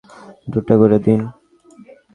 দুটা করে দিন।